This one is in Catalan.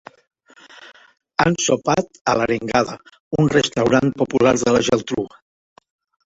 Han sopat a l'Arengada, un restaurant popular de la Geltrú.